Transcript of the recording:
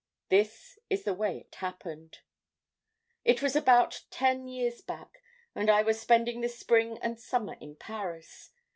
"This was the way it happened: "It was about ten years back, and I was spending the spring and summer in Paris.